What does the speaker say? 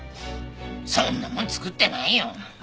そんなもん作ってないよ。